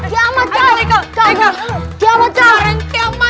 yang lain pada kemana